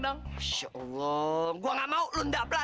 masya allah gua ga mau lu ndaplah